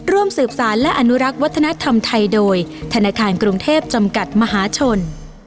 ร่วมสืบสารและอนุรักษ์วัฒนธรรมไทยโดยธนาคารกรุงเทพจำกัดมหาชน